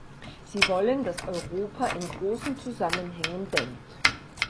Sie wollen, dass Europa in großen Zusammenhängen denkt.